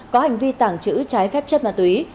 có hành vi tàng trữ trái phép chất ma túy